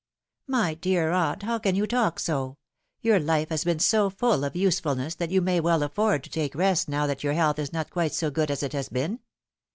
" My dear aunt, how can you talk so ? Tour life has been BO full of usefulness that you may well afford to take rest now that your health is not quite so good as it has been.